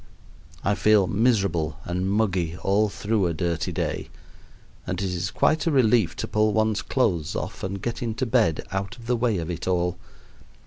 I feel miserable and muggy all through a dirty day, and it is quite a relief to pull one's clothes off and get into bed, out of the way of it all.